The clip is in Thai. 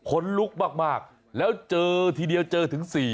คนลุกมากแล้วเจอทีเดียวเจอถึง๔